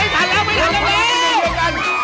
๕วินาทีแล้วนะคะ